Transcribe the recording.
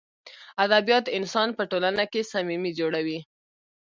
ادبیات انسان په ټولنه کښي صمیمي جوړوي.